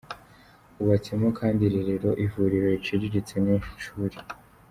Wubatsemo kandi irerero, ivuriro riciriritse, n’inshuri.